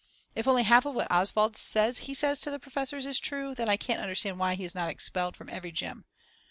If only half of what Oswald says he says to the professors is true, then I can't understand why he is not expelled from every Gym.